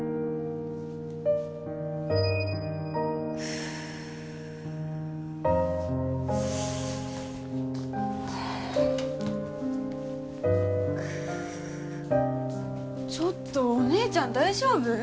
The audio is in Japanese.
ふちょっとお姉ちゃん大丈夫？